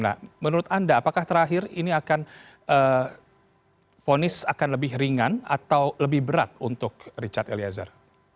nah menurut anda apakah terakhir ini akan vonis akan lebih ringan atau lebih berat untuk richard eliezer